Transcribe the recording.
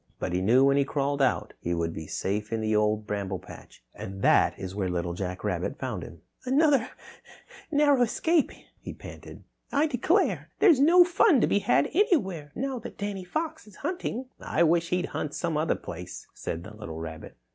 But he knew when he crawled out he would be safe in the Old Bramble Patch. And that's where Little Jack Rabbit found him. "Another narrow escape," he panted. "I declare, there's no fun to be had anywhere now that Danny Fox is hunting." "I wish he'd hunt some other place," said the little rabbit.